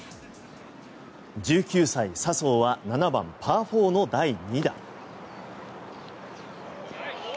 １９歳、笹生は７番、パー４の第２打。